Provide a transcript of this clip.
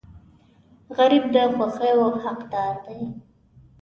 غریب د خوښیو حقدار دی